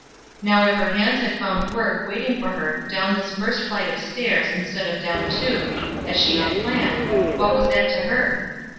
Now if her hands had found work waiting for her down this first flight of stairs instead of down two, as she had planned, what was that to her?